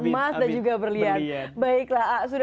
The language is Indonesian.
emas dan juga berlian